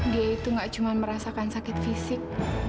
dia itu gak cuma merasakan sakit fisik